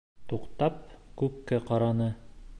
Туҡтап, күккә ҡараны.